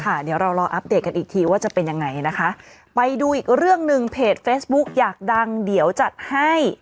เดี๋ยวเรารออัปเดตกันอีกทีว่าจะเป็นยังไงนะคะไปดูอีกเรื่องหนึ่งเพจเฟซบุ๊กอยากดังเดี๋ยวจัดให้